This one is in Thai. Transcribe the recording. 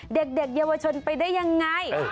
เด็กเยาวชนไปได้ยังไง